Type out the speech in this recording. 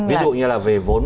ví dụ như là về vốn